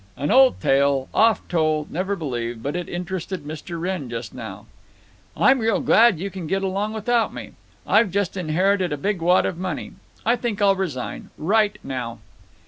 An old tale, oft told and never believed; but it interested Mr. Wrenn just now. "I'm real glad you can get along without me. I've just inherited a big wad of money! I think I'll resign! Right now!"